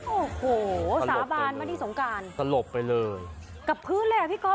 โอ้โหสาบานมาที่สงการสลบไปเลยกับพื้นเลยอ่ะพี่ก๊อ